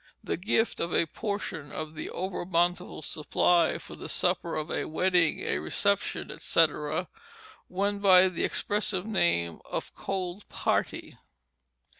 The gift of a portion of the over bountiful supply for the supper of a wedding, a reception, etc., went by the expressive name of "cold party."